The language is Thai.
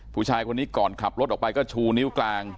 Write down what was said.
ผู้ชายคนนี้ก่อนขับรถออกไปก็ชูนิ้วกลาง